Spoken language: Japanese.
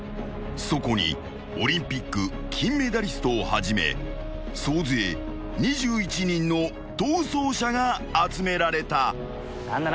［そこにオリンピック金メダリストをはじめ総勢２１人の逃走者が集められた］